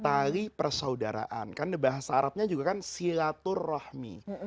tali persaudaraan kan bahasa arabnya juga kan silaturrohmi